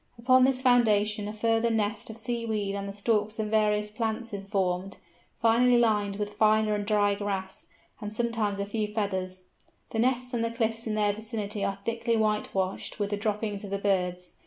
Upon this foundation a further nest of sea weed and the stalks of various plants is formed, finally lined with finer and dry grass, and sometimes a few feathers. The nests and the cliffs in their vicinity are thickly whitewashed with the droppings of the birds.